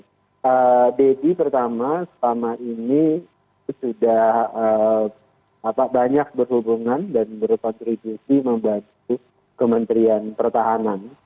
jadi pertama selama ini sudah banyak berhubungan dan berkontribusi membantu kementerian pertahanan